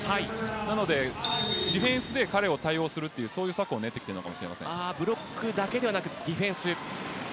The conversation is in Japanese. なので、ディフェンスで彼に対応するという策をブロックだけでなくディフェンスと。